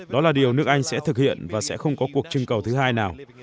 đó là điều nước anh sẽ thực hiện và sẽ không có cuộc trưng cầu thứ hai nào